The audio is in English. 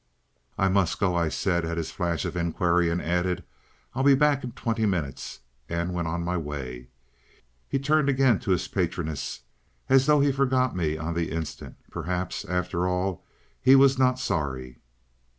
"I must go," I said at his flash of inquiry, and added, "I'll be back in twenty minutes," and went on my way. He turned again to his patroness as though he forgot me on the instant. Perhaps after all he was not sorry.